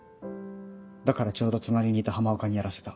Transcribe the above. だからちょうど隣にいた浜岡にやらせた。